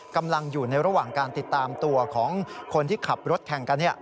กำลังอยู่ในระหว่างการติดตามตัวของคนที่ขับรถแข่งกัน